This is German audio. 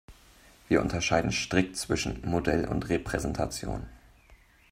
Wir unterscheiden strikt zwischen Modell und Repräsentation.